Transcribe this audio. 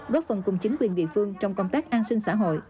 góp phần cùng chính quyền địa phương trong công tác an sinh xã hội